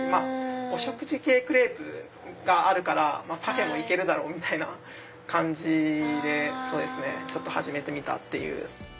お食事系クレープがあるからパフェも行けるだろう！みたいな感じでちょっと始めてみたっていう。